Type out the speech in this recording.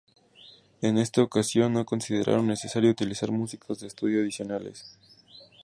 En esta ocasión, no consideraron necesario utilizar músicos de estudio adicionales.